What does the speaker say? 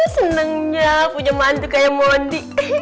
senangnya punya mantu kayak mondi